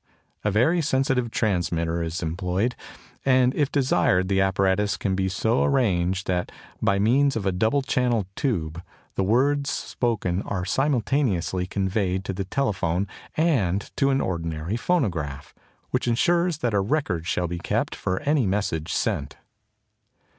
A very sensitive transmitter is employed, and if desired the apparatus can be so arranged that by means of a double channel tube the words spoken are simultaneously conveyed to the telephone and to an ordinary phonograph, which insures that a record shall be kept of any message sent.